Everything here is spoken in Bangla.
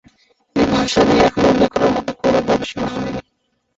এ ভাষা নিয়ে এখনো উল্লেখ করার মতো কোন গবেষণা হয়নি।